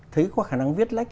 thấy có khả năng viết lách